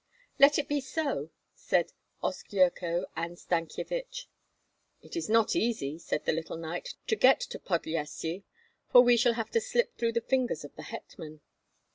"Let it be so!" said Oskyerko and Stankyevich. "It is not easy," said the little knight, "to get to Podlyasye, for we shall have to slip through the fingers of the hetman.